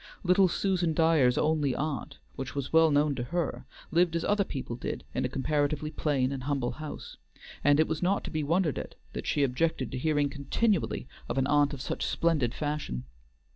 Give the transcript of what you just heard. Little Susan Dyer's only aunt, who was well known to her, lived as other people did in a comparatively plain and humble house, and it was not to be wondered at that she objected to hearing continually of an aunt of such splendid fashion.